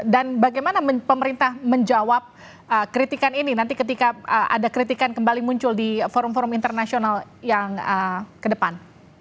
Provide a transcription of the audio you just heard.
dan bagaimana pemerintah menjawab kritikan ini nanti ketika ada kritikan kembali muncul di forum forum internasional yang ke depan